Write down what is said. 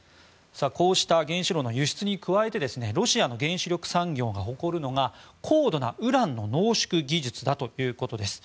こうした原子炉の輸出に加えてロシアの原子力産業が誇るのが高度なウランの濃縮技術だということです。